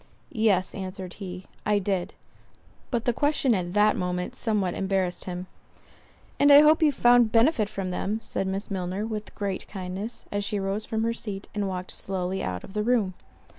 "Yes:" answered he, "I did." But the question at that moment somewhat embarrassed him. "And I hope you found benefit from them:" said Miss Milner, with great kindness, as she rose from her seat, and walked slowly out of the room.